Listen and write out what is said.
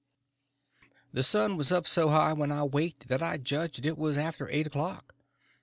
The sun was up so high when I waked that I judged it was after eight o'clock.